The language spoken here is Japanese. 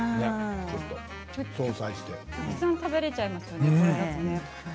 たくさん食べられちゃいますね。